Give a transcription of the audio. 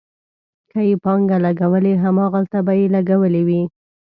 که یې پانګه لګولې، هماغلته به یې لګولې وي.